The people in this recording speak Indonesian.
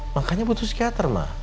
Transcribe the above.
makanya butuh psikiater ma